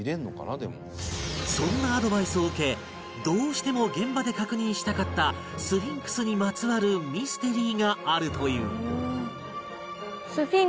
そんなアドバイスを受けどうしても現場で確認したかったスフィンクスにまつわるミステリーがあるという